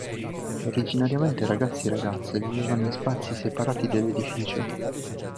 Originariamente ragazzi e ragazze vivevano in spazi separati dell'edificio.